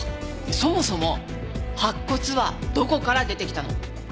そもそも白骨はどこから出てきたの？